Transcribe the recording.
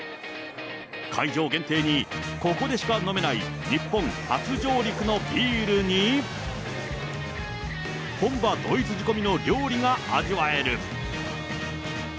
会場限定に、ここでしか飲めない、日本初上陸のビールに、本場ドイツ仕込みの料理が味わえる。